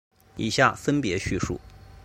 以下分别叙述。